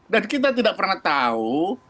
dan kita tidak pernah tahu